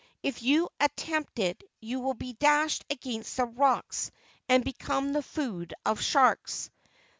If you attempt it you will be dashed against the rocks and become the food of sharks."